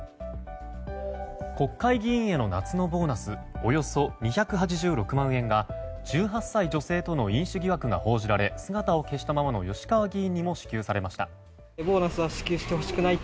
国会議員への夏のボーナスおよそ２８６万円が１８歳女性との飲酒疑惑が報じられ姿を消したままの吉川議員にも支給されました。